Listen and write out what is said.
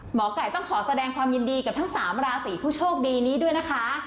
หมอไก่ต้องขอแสดงความยินดีกับทั้ง๓ราศีผู้โชคดีนี้ด้วยนะคะ